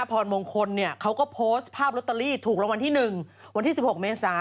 พี่สิทธิ์อ่ะ